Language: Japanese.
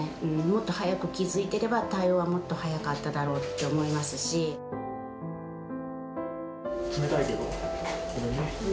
もっと早く気付いてれば、対応はもっと早かっただろうって思いま冷たいけど、ごめんね。